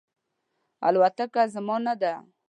الوتکه زما نه ده